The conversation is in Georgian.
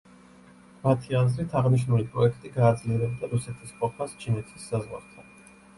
მათი აზრით აღნიშნული პროექტი გააძლიერებდა რუსეთის ყოფას ჩინეთის საზღვართან.